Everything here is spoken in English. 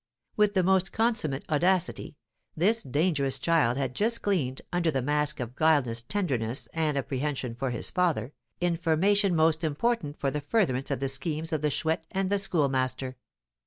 With the most consummate audacity, this dangerous child had just gleaned, under the mask of guileless tenderness and apprehension for his father, information most important for the furtherance of the schemes of the Chouette and Schoolmaster.